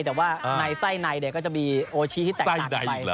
แต่ว่าในไส้ในก็จะมีโอชีที่แตกต่างกันไป